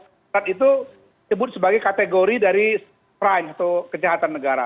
itu disebut sebagai kategori dari prime atau kejahatan negara